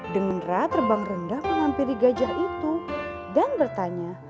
dengera terbang rendah mengampiri gajah itu dan bertanya